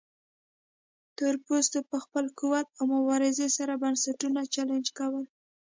تورپوستو په خپل قوت او مبارزې سره بنسټونه چلنج کړل.